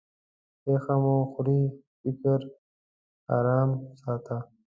پېښه مه خورې؛ فکر ارام ساته.